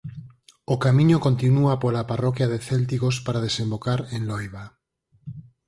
O camiño continúa pola parroquia de Céltigos para desembocar en Loiba.